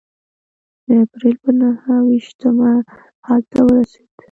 د اپرېل په نهه ویشتمه هلته ورسېد.